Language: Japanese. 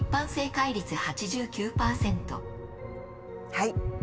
はい。